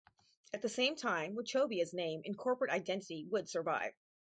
At the same time, Wachovia's name and corporate identity would survive.